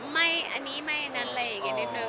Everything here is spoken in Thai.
ไม่อันนี้ไม่อันนั้นอะไร